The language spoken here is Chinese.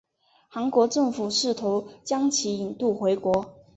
韩国政府试图将其引渡回国。